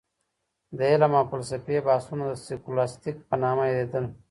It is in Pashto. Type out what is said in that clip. د علم او فلسفې بحثونه د سکولاستيک په نامه يادېدل.